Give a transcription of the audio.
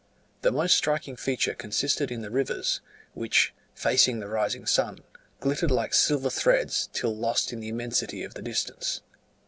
The most striking feature consisted in the rivers, which, facing the rising sun, glittered like silver threads, till lost in the immensity of the distance.